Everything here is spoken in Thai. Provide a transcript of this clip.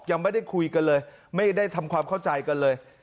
ยังไม่ได้คุยกันเลยไม่ได้ทำความเข้าใจกันเลย